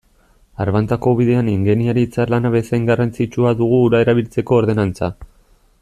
Arbantako ubidean ingeniaritza lana bezain garrantzitsua dugu ura erabiltzeko ordenantza.